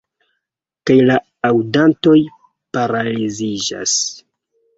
Kaj la aŭdantoj paraliziĝas.